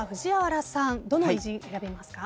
どの偉人選びますか？